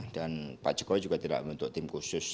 dan pak jokowi juga tidak punya tim khusus